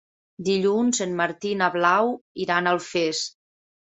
Dilluns en Martí i na Blau iran a Alfés.